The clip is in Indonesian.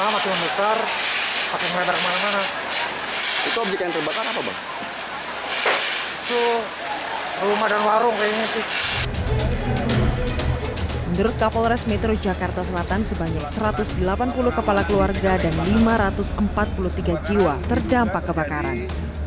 menurut polres metro jakarta selatan sebanyak satu ratus delapan puluh kepala keluarga dan lima ratus empat puluh tiga jiwa terdampak kebakaran